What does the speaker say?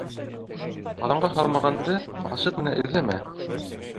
Ҡаҙанға һалмағанды ҡашыҡ менән әҙләмә.